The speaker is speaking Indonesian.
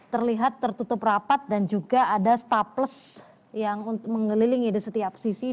terlihat tertutup rapat dan juga ada staples yang mengelilingi di setiap sisi